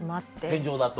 天井だと。